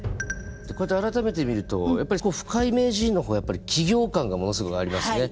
こうやって改めて見ると深井名人の方は企業感がものすごいありますね。